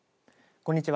こんにちは。